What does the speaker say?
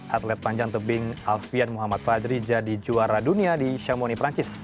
atlet panjang tebing alfian muhammad fadri jadi juara dunia di shamoni perancis